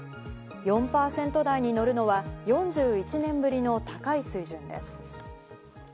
４％台に乗るのは４１年ぶりの高い水準です。